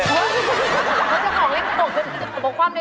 รีดหงว่ากูหยิบหยิบผมดิ